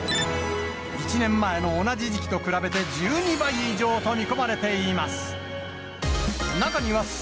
１年前の同じ時期と比べて、１２倍以上と見込まれています。